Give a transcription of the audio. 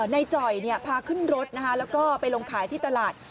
จ่อยพาขึ้นรถแล้วก็ไปลงขายที่ตลาด